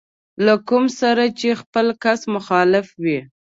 له کوم سره چې خپله کس مخالف وي.